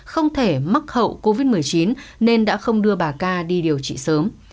không thể mắc hậu covid một mươi chín nên đã không đưa bà ca đi điều trị sớm